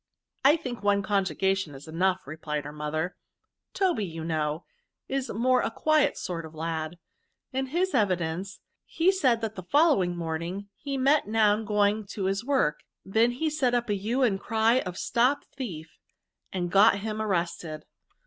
^^ I think one conjugation is enough," re plied her mother. " Toby, you know, is a more quiet sort of lad ; in his evidence, he said, that the following morning he met Noun going to his work ; he then set up a hue and cry of stop thief, and got him ar« rested.